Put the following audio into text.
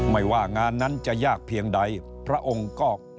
ไม่ว่างานนั้นจะยากเพียงใดพระองค์ก็ไม่เคยย่อท้อ